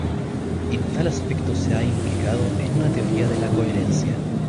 En tal aspecto se ha implicado en una teoría de la coherencia.